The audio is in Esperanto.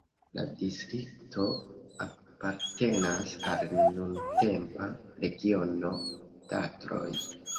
La distrikto apartenas al nuntempa regiono Tatroj.